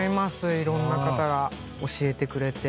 いろんな方が教えてくれて。